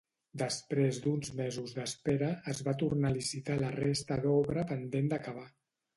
Després d'uns mesos d'espera, es va tornar a licitar la resta d'obra pendent d'acabar.